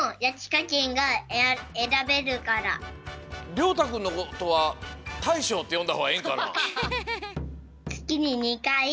りょうたくんのことはたいしょうってよんだほうがええんかな？